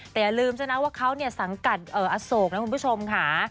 แต่อย่าลืมซะนะว่าเขาสังกัดอโศกนะคุณผู้ชมค่ะ